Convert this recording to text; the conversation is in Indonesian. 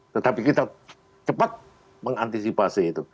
tetapi kita cepat mengantisipasi itu